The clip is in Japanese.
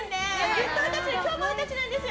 ずっと二十歳今日も二十歳なんですよ。